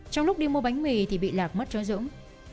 trong lúc đi mua bánh mì thì bị lạc mất chó dũng